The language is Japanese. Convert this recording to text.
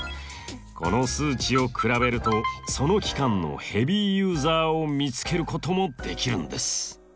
この数値を比べるとその期間のヘビーユーザーを見つけることもできるんです。